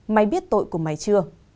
mày biết tội của mày chưa